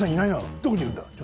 どこにいるんだちょ